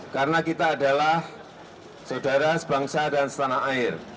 karena kita adalah saudara sebangsa dan setanah air